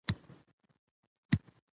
د هیواد د ابادۍ لپاره یو لاس شئ.